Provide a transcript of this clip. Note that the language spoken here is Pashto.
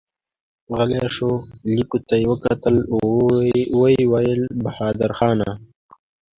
غلی شو، ليکو ته يې وکتل، ويې ويل: بهادرخانه!